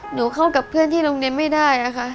เข้ากับเพื่อนที่โรงเรียนไม่ได้ค่ะ